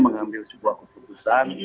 mengambil sebuah keputusan